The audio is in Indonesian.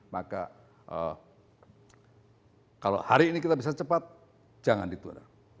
maka kalau hari ini kita bisa cepat jangan ditunda